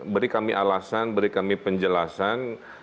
beri kami alasan beri kami penjelasan